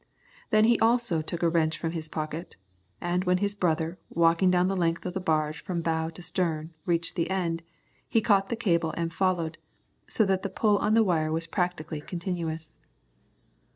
Then he also took a wrench from his pocket, and when his brother, walking down the length of the barge from bow to stern, reached the end, he caught the cable and followed, so that the pull on the wire was practically continuous.